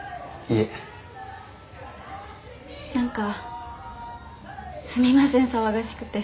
・へい！すみません騒がしくて。